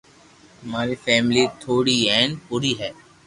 اماري فيملي ٿوڙي ھين پوري ھي